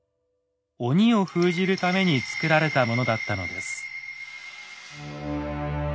鬼を封じるために作られたものだったのです。